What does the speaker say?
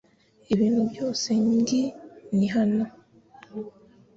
Ibintu byose ngi ni hano .